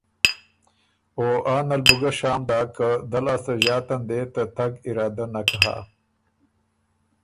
او آنل بو شام داک که دۀ لاسته ݫاتن دې ته تګ ارادۀ نک هۀ۔